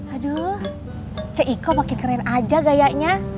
aduh cik iko makin keren aja gayanya